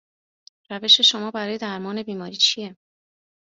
روش شما برای درمان بیماری چیه؟